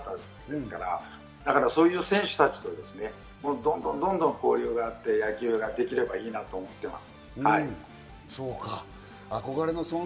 ですから、そういう選手たちとどんどん交流があって野球ができればいいなと思っています。